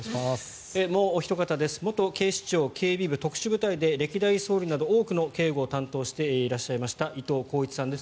もうおひと方元警視庁警備部特殊部隊で歴代総理など多くの警護を担当していらっしゃいました伊藤鋼一さんです